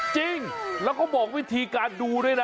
จริงแล้วเขาบอกวิธีการดูด้วยนะ